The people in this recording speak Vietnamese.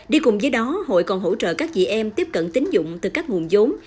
đi cùng với đó hội còn hỗ trợ các dị em tiếp cận tín dụng từ các nguồn giống